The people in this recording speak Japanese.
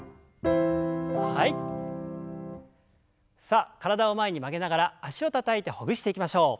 さあ体を前に曲げながら脚をたたいてほぐしていきましょう。